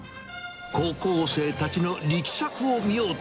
高校生たちの力作を見ようと、